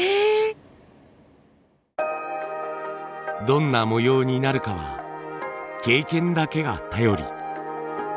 どんな模様になるかは経験だけが頼り。